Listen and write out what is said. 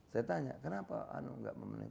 saya tanya kenapa anung enggak memenuhi